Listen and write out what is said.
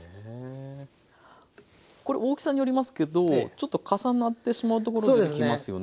これ大きさによりますけどちょっと重なってしまうところ出てきますよね。